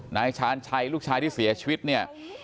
นายชาญชัยลูกชายที่เสียชีวิตเนี่ย